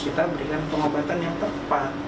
kita berikan pengobatan yang tepat